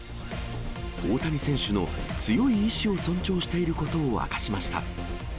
大谷選手の強い意志を尊重していることを明かしました。